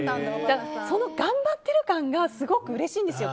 その頑張っている感がすごくうれしいんですよ。